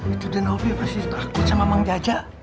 itu den ovi pasti terakut sama mang jajah